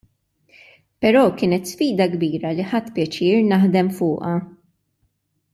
Però kienet sfida kbira li ħadt pjaċir naħdem fuqha.